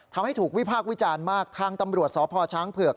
ทำให้ถูกวิพากษ์วิจารณ์มากทางตำรวจสพช้างเผือก